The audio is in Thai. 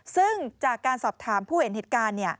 ซึ่งจากการสอบถามผู้เห็นเหตุการณ์